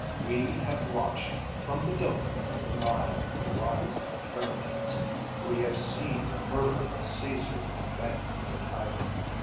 "We have watched from the delta of the Nile the rise of the pyramids; we have seen the murder of Caesar from the banks of the Tiber.